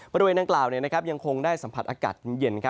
บริเวณดังกล่าวยังคงได้สัมผัสอากาศเย็น